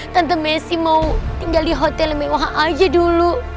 tante messi mau tinggal di hotel mewah aja dulu